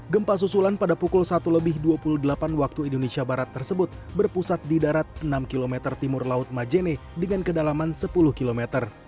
gempa susulan pada pukul satu lebih dua puluh delapan waktu indonesia barat tersebut berpusat di darat enam km timur laut majene dengan kedalaman sepuluh km